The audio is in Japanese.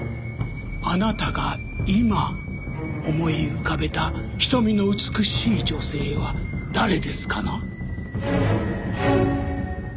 あなたが今思い浮かべた瞳の美しい女性は誰ですかな？